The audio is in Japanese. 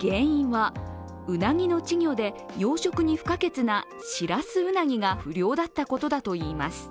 原因は、うなぎの稚魚で養殖に不可欠なしらすうなぎが不漁だったことだといいます。